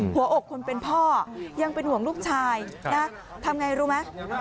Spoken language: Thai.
หัวอกคนเป็นพ่อยังเป็นห่วงลูกชายนะทำไงรู้ไหม